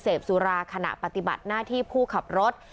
สุราขณะปฏิบัติหน้าที่ผู้ขับรถ